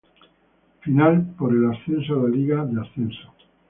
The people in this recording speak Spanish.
Final por el ascenso a la Liga de Ascenso